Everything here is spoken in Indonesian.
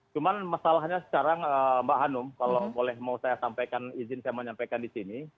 cuman masalahnya sekarang mbak hanum kalau boleh mau saya sampaikan izin saya menyampaikan di sini